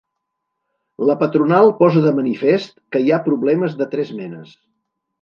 La patronal posa de manifest que hi ha problemes de tres menes.